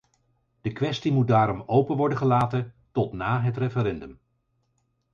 De kwestie moet daarom open worden gelaten tot na het referendum.